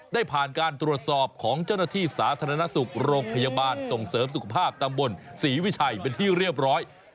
ได้ผ่านการตรวจสอบของเจ้าหน้าที่สาธารณสุขโรงพยาบาลส่งเสริมสุขภาพตำบลศรีวิชัยเป็นที่เรียบร้อย